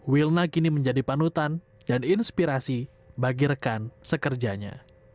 wilna kini menjadi panutan dan inspirasi bagi rekan sekerjanya